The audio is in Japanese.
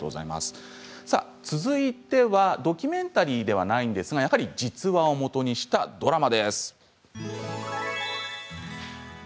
続いてはドキュメンタリーではないんですが、やはり実話を基にしたドラマです。